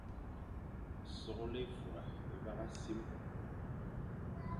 Soghle é fura é vagha simé,